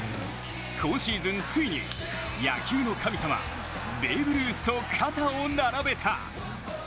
今シーズン、ついに野球の神様ベーブ・ルースと肩を並べた。